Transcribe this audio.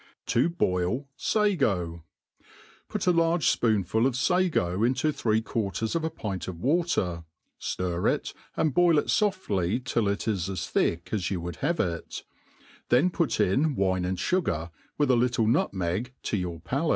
To hoil Sago., PtJT a large fpoonful of fago into three quarters of a pint of water, ftir it, and boil it foftly till it is as thick as you would have it ; then put in wine and fugar, with a little nutmeg to your paktc.